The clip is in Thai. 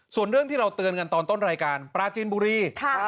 ส่วนเรื่องที่เราเตือนกันตอนต้นรายการปราจีนบุรี